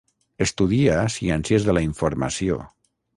Estudia Ciències de la Informació.